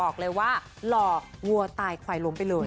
คุณผู้ชมอุ้ยไปแล้ว